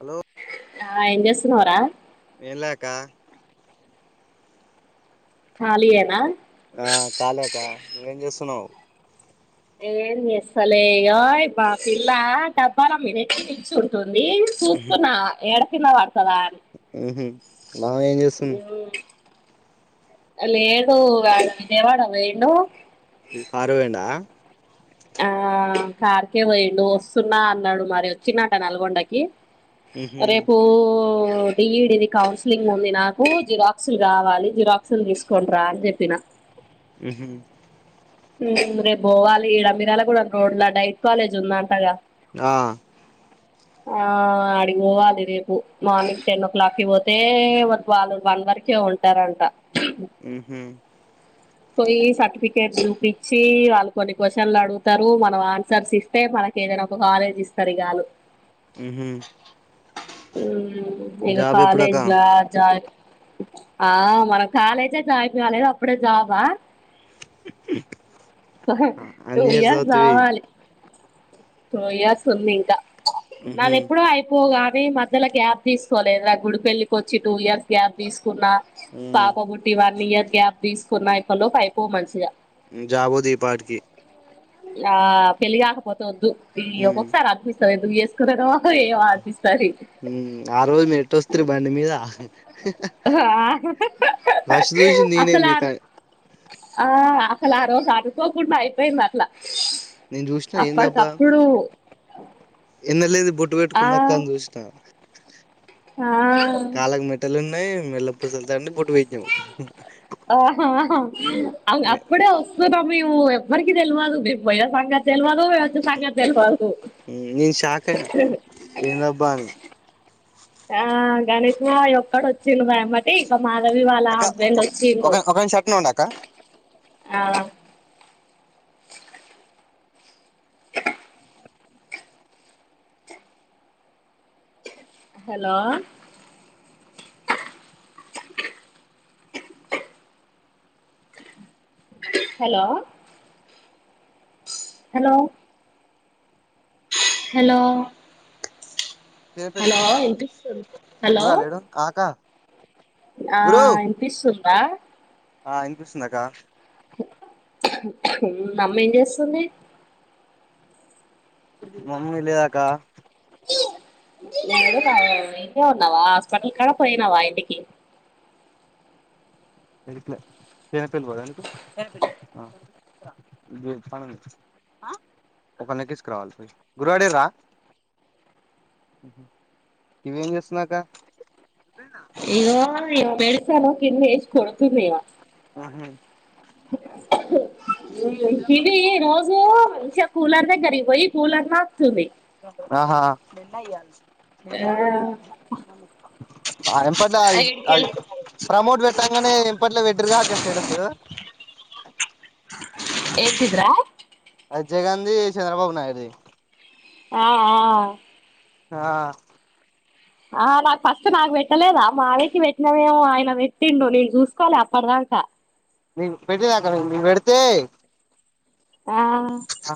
Hello ఆ ఏం చేస్తున్నవ్ రా ఏళ్లకా ఖాళీ ఏనా ఆ కాలీ అక్కా నువ్వేం చేస్తున్నావు ఏం చేస్తలే ఇగో మా పిల్ల [unintelligible] నేను చూస్తున్న ఏడ కంద పడతదా అని బావా ఏం చేస్తుంది లేదు ఆయన విజయవాడ కి పోయిండు మీ కారు పోయిండా ఆ కారు కే పోయిండు వస్తున్నా అన్నాడు మరి వచ్చినట నల్గొండకి ఉహు రేపు బి ఈ డి ది కౌన్సిలింగ్ ఉంది నాకు జిరాక్సులు కావాలి జిరాక్సులు తీసుకోనీ రా అని చెప్పిన ఉహు రేపు పోవాలి ఈడ మిర్యాలగూడ కు డైట్ కాలేజ్ ఉందంటగా ఆ ఆ అడికి పోవాలి రేపు మార్నింగ్ టెన్ ఓ క్లాక్కిి పోతే వాళ్ళు వరికే ఉంటారంట ఉహు పోయి సర్టిఫికేట్ ఇచ్చి వాళ్ళు కొన్ని క్వశ్చన్లు అడుగుతారు మనం ఆన్సర్స్ ఇస్తే మనకి ఏదైనా ఒక కాలేజ్ ఇస్తారు ఇగ వాళ్ళు ఉహు ఉహు ఇక జాబ్ ఎప్పుడకా కాలేజ్లా జా ఆ మనం కాలేజే జాయిన్ కాలేదు అప్పుడే జాబా ఆహా అన్ని ఇయర్స్ టుఇయార్స్ చదువుతివి కావాలి టుఇయర్స్ ఉంది ఇంకా ఉహు నాది ఎప్పుడో ఆయిపో అ మధ్యలో గ్యాప్ తీసుకోలేదా గుడిపళ్లికి వచ్చి టూ ఇయర్స్ గ్యాప్ తీసుకో కున్నా ఉ పాప బుట్టి వన్ ఇయర్ గ్యాప్ తీసుకున్నా ఇక్క లోపు అయిపోవు మంచిగా జాబు దీపాటికి ఆ పెళ్లికాకపొతే వద్దు ఈ ఉమ్ ఒక్కొక్కసారి అనిపిస్తది [unintelligible] ఉ ఆ రోజు మెట్టొస్త్ర బండి మీద ఫస్ట్ చూసి నేనే అసలు ఆ మీకా ఆ అసలు ఆ రోజు అనుకోకుండా అయిపోయింది అట్లా నేను చూసినా అప్పటికప్పుడు ఎన్నడూ లేనిది బొట్టు ఆ పెట్టుకుంది అక్కా చూసినా ఆ నల్లపూసల దండ బొట్టు పెట్టినావ్ ఆహా అప్పుడే వస్తూ బా మేము ఎవరికి తెలివదు మీ పోయే సంగతి తెలివదు వచ్చే సంగతి తెలివదు నేను షాక్ అయినా ఏందబ్బా అని ఆ గణేష్ మావయ్య ఒక్కడు వచ్చిండు మా ఎమ్మటి మాధవి వాళ్ళ అక్క హస్బెండ్ ఒక వచ్చిడు ఒక నిమిషం అట్నే ఉండు అక్క ఆ హలో [unintelligible] హలో హలో హలో చిన్నపిల్లి హలో పోతున్నది వినిపిస్తూ గురు హలో రాలేడు ఆ అక్క ఆ గురు వినిపిస్తుందా? ఆ ఇనిపిస్తుంది అక్క హ్మ్ మమ్మీ ఏం చేస్తుంది? మమ్మీ లేదక్క ఏడున్నవ్ ఇన్నే ఉన్నావా హాస్టల్ కడా పోయినావా ఇంటికి ఎడిక్ లే ఈ తెలవదు ఎందుకు ఆ పని ఉంది ఒకలినీ ఏక్కిచ్చుకురావాలి పోయి గురుగాడు ఏడి రా ఇవెంజేస్తుందక్క ఇగో ఇగో మెడిసాను కింద ఎసి కొడుతుంది ఇగ ఇది రోజు మంచిగా కూలర్ దగ్గరి ఇర్ పోయి కూలర్ నాకుతుంది. ఆహ! ఆ బాదం పట్ల అది స్ ఏడికెల్ అది ప్రమోట్ పెట్టాంగానే ఇంపట్లో వేట్టిరుగాక్క స్టేటస్ ఏంటిది రా? అది జగన్ ది చంద్రబాబు నాయుడుది ఆ ఆ ఆ ఆ నాకు ఫస్ట్ నాకు పెట్టలేదా మాఆయనకి పెట్టినవేమో ఆయన పెట్టిండు నేను చూసుకోలే అప్పటిదా కా నేను పెట్టినాక్క నువు పెడితే ఆ ఆ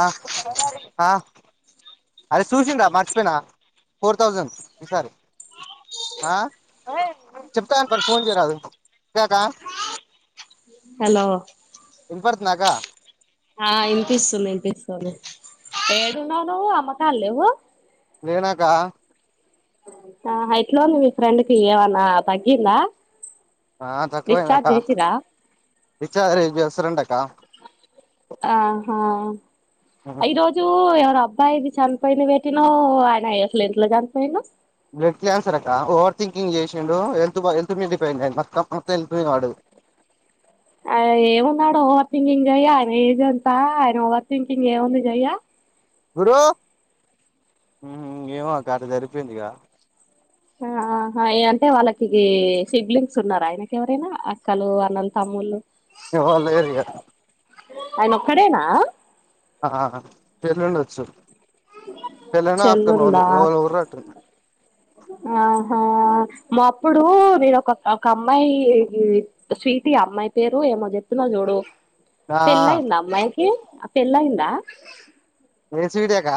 ఆ ఆ అరే చూసిం రా మర్చిపోయినా ఫోర్ థౌజండ్ ఈసారి ఆ చెప్తా అంటున్నారు ఫోన్ చేయరాదు. క అక్కా హలో, వినపడుతుందా అక్క? ఆ ఇనిపిస్తుంది ఇనిపిస్తుంది ఏడున్నావు నువ్వు అమ్మకాల లేవ్వు. లేనక్క ఆ ఎట్లోంది మీ ఫ్రెండ్ కి ఏమన్నా తగ్గిందా? ఆ తక్కువైంది డిశ్చార్జ్ అక్క. చేసిరా డిశ్చార్జ్ రేపు చేస్తారంట అక్క ఆహా! ఈ రోజు ఎవరబ్ బాయ్ ది చనిపోయింది పెట్టినవ్ అయన ఎట్లా ఎట్లా చనిపోయిండు బ్లడ్ క్యాన్సర్ అక్క ఓవర్ థికింగ్ చేసిండు హెల్త్ హెల్త్ మీదికి పోయింది అనికి మొత్తం హెల్త్ నె వాడు [inaudible] అయ్యో ఏమున్నాడు ఓవర్ థింకింగ్ జెయ్యా ఆయన ఏజంతా ఆయన ఓవర్ థింకింగ్ ఏముంది జేయ్యా గురు ఎమో అక్క అట్లా జరిగిపోయింది ఇగ ఆహా అంటే వాళ్ళకి సిబ్లింగ్స్ ఉన్నారు ఆయనకి ఎవరైనా అక్కలు అన్నలు తమ్ముళ్ళు అయ్యో ఎవ్వల్లేరిగా ఆయన ఒక్కడేనా ఆ చేల్ల వుండొచ్చు పెళ్లయిన ఆతను చెల్లుందా [unintelligible] ఆహా మా అప్పుడు నేను ఒక ఒక అమ్మాయి స్వీటి ఈ అమ్మాయి పేరు ఏమో చెప్పినవ్ చూడు ఆ పెళ్లయిందా అమ్మాయికి పెళ్లయిందా ఏ స్పీటి అక్క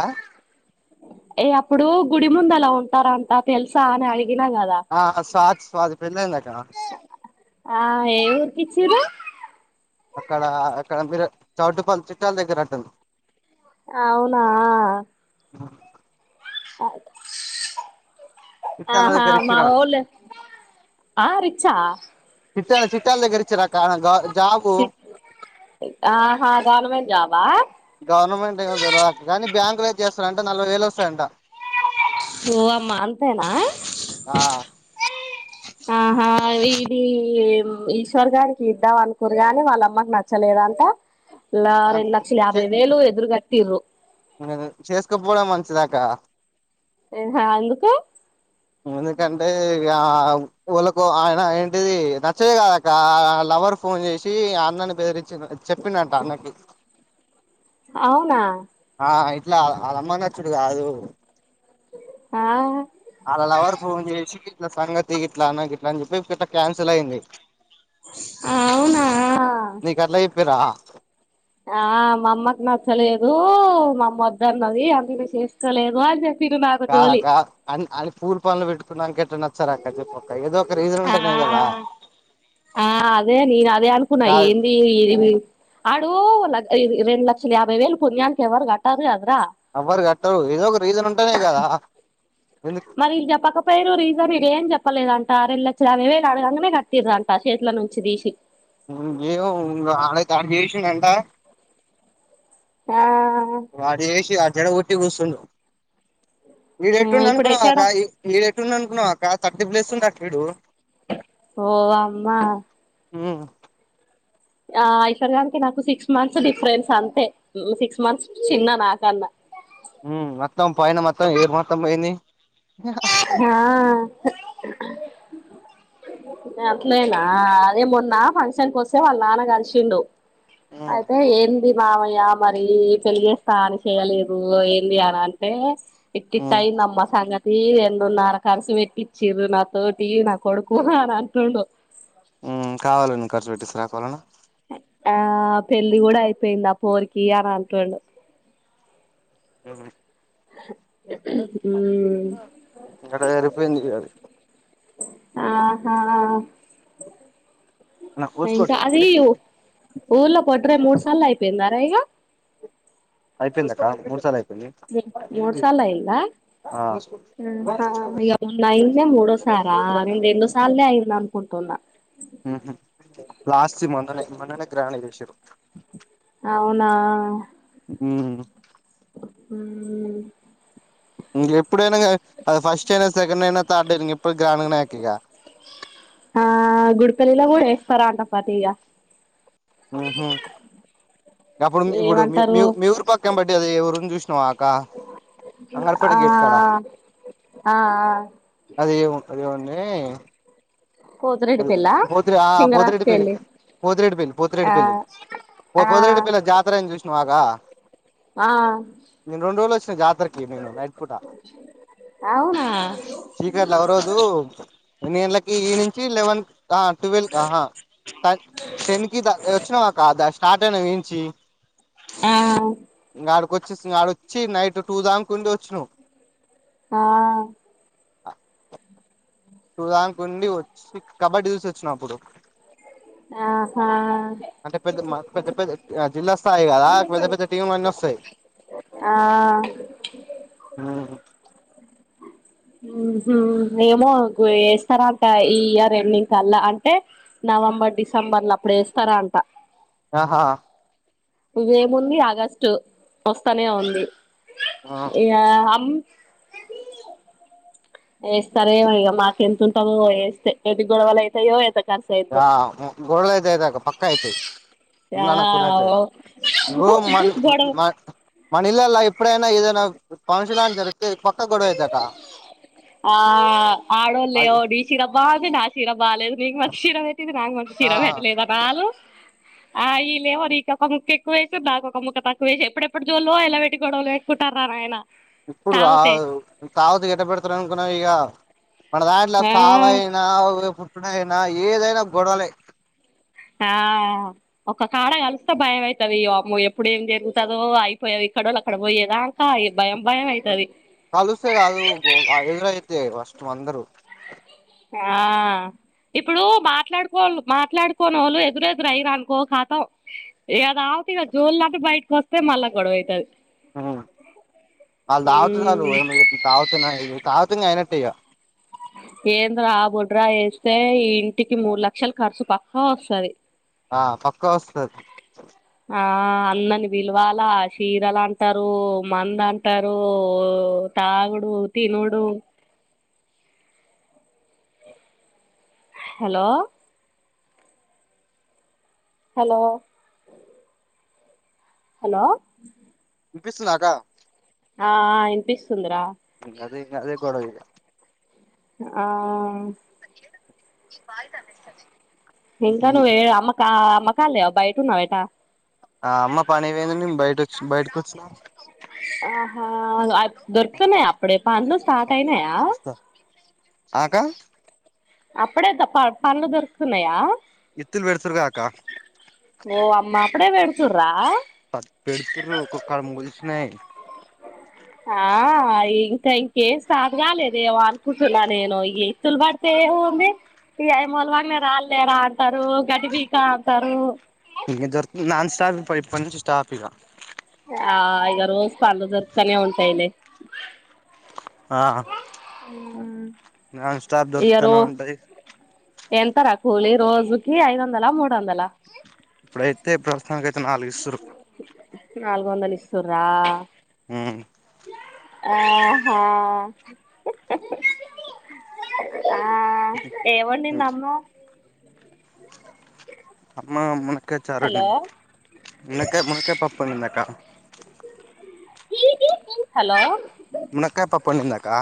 ఏ అప్పుడు గుడి ముందులా ఉంటార అంట తెలుసా అని అడిగి ఆ స్వాతి స్వాతి పెండ్లి అయింది అక్క ఆ ఏ ఉరికిచిరు అక్కడ అక్కడ మీరు చౌటుప్పల్ చుట్టాల దగ్గర ఉంటది అవునా బఓ ఓ చిట్టాల ఆహా దగ్గర ఇచ్చిరా మావోలు ఆ రిచ్ ఆ చిట్టాల చిట్టాల దగ్గర ఇచ్చిండ్రు అక్క జాబు ఆహా గవర్నమెంట్ జాబా గవర్నమెంట్ ఏమో తెలీదు అక్క కానీ బ్యాంక్ లో చేస్తారంట నలభై వేలు వస్తాయంట ఓ అమ్మా అంతేనా ఆ ఆహా ఇది ఈశ్వర్ గారికి ఇద్దాం అనుకోరు గాని వాళ్ళమ్మకి నచ్చలేదు అంట రెండు లక్షల యాభై వేలు ఎదురు కట్టిండ్రు చేసుకోపోవడం మంచిదాక్కా ఎందుకు ఎందుకంటే వాళ్ళకో ఆయన ఏంటిది నచ్చద కాద అక్క లవర్ ఫోన్ చేసి అన్నని బేదిరించి చెప్పినంట అన్నకి అవునా ఆ వాళ్ళ అల్ల అమ్మయి కి నచ్చుడు కాదు ఆ వాళ్ల లవర్ ఫోన్ చేసి ఇట్ల సంగతి ఇట్లా అన ఇట్లా అని చెప్పి ఇట్లా క్యాన్సిల్ అయింది అవునా చెప్పిండ్రా ఆ మా అమ్మకి నచ్చలేదు మా అమ్మ వద్దన్నది అందుకే చేసుకోలేదు అని చెప్ప కాద అక్క ఆ పూలు పండ్లు పెట్టుకున్నాంక ఎందుకు నచ్చరూ అక్క చెప్పక్క ఏదో ఒక రీజన్ ఆ ఉంటేనే కదా ఆ అదే నేను అదే అనుకున్నా కాదు ఏంది ఏది ఆడు ల రెండు లక్షల యాభై వేలు పుణ్యానికి ఎవరు కట్టారు కదరా ఎవ్వరు కట్టరు ఏదో ఒక రీజన్ ఉంటెనే కదా ఎందుకు మరి చెప్పకపోయిరు రీజన్ ఇది ఏం చెప్ప లేదంట ఆరెల్ళ అడిగేది అడగంగానే కట్టిరదంట చేతుల నుంచి తీసి ఏమో [unintelligible] హా వాడు చేసి ఆడు చెడగొట్టి కూసున్నడు వీడు ఎట్టుండి ఇప్పుడు అనుకున్నావాక్క వేసాడా వీడు ఎటుండి అనుకున్నావాక్క థర్టీ ప్లేస్ ఉన్నడక్కా వీడు ఓ అమ్మా ఆ ఆ ఈశ్వర్యానికి నాకు సిక్స్ మంత్స్ డిఫరెన్స్ అంతే సిక్స్ మంత్స్ చిన్న నాకన్నా మొత్తం పైన మొత్తం హేర్ మొత్తం పోయింది ఆ అట్లయినా అదే మొన్న ఫంక్షన్కి వస్తే వాళ్ళ నాన్న కలిసిండు ఉమ్ అయితే ఏంది మామయ్య మరి పెళ్లి చేస్తా అని చేయలేదు ఏంది అని అంటే ఉమ్ ఇట్టిట్టాయిందమ్మ సంగతి రెండున్నర కర్సు పెట్టిచ్చ్ నాతోటి నా కొడుకు అని అంటుండు ఉమ్ కావాలని ఖర్చు పెట్టిస్తరాక్క ఏవలన్న ఆ పెళ్ళి కూడా అయిపోయింది ఆ పోరికి అని అంటడు ఆ హ్మ్మ్ అక్కడ సరిపోయింది అది ఆహా నాకు ఇంకా పూసుకోవట్లేదు అది ఒకటి ఊర్ళ బోడ్రే మూడు సార్లు అయిపోయిందారా ఇక అయిపోయిందక్క మూడ్ సార్లు అయిపోయింది మూడ్ సాలా అయ్యిందా ఆ ఇగ మొన్న అయ్యిందే మూడో సారా నేన్ రెండు సార్లే అయిన అన్ తున్నా ఆహ లాస్ట్ మొన్ననే మొన్ననే గ్రాండ్ చేసిరు అవునా ఉ హ్మ్మ్ ఎప్పుడు అయినా కానీ అది ఫర్స్ట్అయిన సేకండ్ అయిన థర్డ్ అయిన ఆ గుడ్పల్లిలా పోయి ఫరాంత ఫతిగా హ్మ్మ్ హు అప్పుడు ఇప్పుడు ఏమంటారు మీ ఊరి పక్కాం బట్టి అది ఎ ఊరిని చూసినా అంగల పడు ఆ గేట్ కాడా ఆ అది యేవండి పోతిరెడ్డి అది పెళ్ళా పోతిరి ఆ సింగరాజు పోతిరెడ్డి పెళ్ళి పెళ్లికి పోతిరెడిపల్లి ఆ పోత్తిరెడిపేల్లి పో ఆ పోద్దిరెడి పెళ్లి జాతర అయింది చూసినావా గా ఆ ఎవరికి ఇయ్య నేను నైట్ పూట అవునా చీకట్ల ఓ రోజు ఎన్ని గంటలకి ఈవి ట్వల్ ట్వెల్ ఆహా టెన్ కి దా వచ్చినవా అదా స్టార్ట్ అయినాము ఈనుంచి ఆ ఆడికి వచ్చి ఆడ వచ్చి నైట్ టూ దామ్కుండి వచినము ఆ టూ దాంక ఉండి వచ్చి కబడ్డీ చూసోచ్చిన అప్పుడు ఆహా అంటే పెద్ద పెద్ద పెద్ద జిల్లా స్థాయి కదా పెద్ద పెద్ద టీం లు అన్ని వస్తాయి ఆ [inaudible] ఊహూ ఏమో గు ఏస్తరా ట ఈ ఇయర్ ఎండింగ్ కల్లా అంటే న వంబర్ డిసెంబర్ల అప్పుడు ఏస్తరంట ఆహా యేముంది ఆగస్టు ఒస్తనే ఉంది ఇగా అమ్ ఏస్తరేమో ఇగ మాక్ ఎంతుంటమో ఏస్తే ఎడ్డి గొడవలు అయితయో ఎత ఆ ము గొడవలైతైగా అక్క పక్కా అయితయ్ ఆ నానా కూడా అయిపోతయ్ గో మన్ గొడవ మా నీల్లల్లా ఇప్పుడైనా ఏదైనా [unintelligible] జరుగుతే పక్కా గొడవైత అక్క ఆ ఆడోల్లేమో డిసిడబ్బా అని నా చీర బాలేదు నీకు మాక్ క్షీర వెట్టింది నాకు మటు క్షీర వెట్టలే [unintelligible] ఆ ఈల్లేమో నీక్ ఒక ముక్క ఎక్కువ ఏసిర్ నాకొక ముక్క తక్కువేసి ఎప్పుడెప్పుడు జోల్లో ఎల్ల వెట్టి గొడవలు వెట్కు టర్ర నాయన ఇప్పుడు తాగుతే గాదు తాగుతె ఎట్టబెడతరు అనుకున్నవ్ ఇగ మన దాంట్ల ఆ సావైనా ఒక పుట్టుడైనా ఏదైనా గొడవలే ఆ ఒక్క కాడ కలిస్తే భయం అయితది ఇగ అమ్మో ఎప్పుడేం జరుగుతదో అయిపోయేవి ఎక్కడోల్ అక్కడ బొయేదాన్ కలుస్తే గాదు ఆ ఎదురైతే [unintelligible] అందరూ ఆ ఇప్పుడూ మాట్లాడుకోలు మాట్లాడుకోనోళ్ళు ఎదురు ఎదురైరనుకో ఖాతం ఇగ రా ఉత్తిగ జోల్ లాకె బయటకొస్తే మళ్ళ గొడవైతది ఉ ఆళ్ దాగుతున్నరు మ్మ్ ఏ మీరు ఇప్పుడు తాగుతున్నా ఇవి తాగుతున్నైన టిగ ఏంద్రా బొడ్రాయి ఏస్తే ఈ ఇంటికి మూడు లక్షలు ఖర్సు పక్కా ఒస్తది ఆ పక్కా ఒస్తది ఆ అందన్ని పిలవాలా చీరలంటరూ మందు అంటరు తాగుడు తినుడూ హలో హలో హలో పిస్సుందా అక్క ఆ ఆ ఇన్పిస్తుంది రా అదే ఇంగ అదే కొడవ ఇంక ఆ పాయిసం ఇస్తది ఇంకా నువ్ ఏ అమ్మకా అమ్మకాలేవా బయటున్నవ ఎటా ఆ అమ్మ పని వోయింది బయటొచ్చి బయటకొచ్చినం ఆహా దొరుతున్నయా అప్పుడే పన్లు స్టార్ట్ అయినయా ఆకా అప్పుడే త ప పన్లు దొరుకుతున్నయా ఇత్తుల్ వెడుతురుగా అక్క ఓ అమ్మ అప్పుడే వెడుతుర్రా అ పెడుతుర్రు ఒక్కొక్క ములిసినయ్ అ ఆ ఇంక ఇంకేం స్టార్ట్ కాలేదేమో అనుకుంటున్నా నేను ఈ ఇస్తులు బడ్తే ఉంది. ఇగ అయి మొలవనే రాలే రా అంటారు గడ్డి పీక అంటరూ ఇంక దొరుకుతున్ నాన్ స్టాఫ్ పోయి ఇప్పట్ నుంచి స్టాఫ్ ఇగ ఆ ఇగ రోజు పనులు దొర్తనే ఉంటయిలే ఆ నాన్ స్టాఫ్ ఇగ రో దొరుకుతనే ఉంటయి. ఎంతరా కూళి రోజుకి ఐద వందల, మూడు వందల? ఇప్పుడైతే ప్రస్తుతానికయితే నాలుగిస్తున్రు. నల్గు వందల్ ఇస్తున్రా మ్ ఆ హా ఆ... ఏం వండింద్ అమ్మ మా మునక్కాయ చార్ హలో వండింద్ మునక్కాయ్ మునక్కాయ్ పప్పు అండింద్ అక్క హలో! మునక్కాయ పప్పు వండింది అక్క